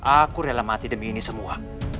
aku rela mati demi ini semua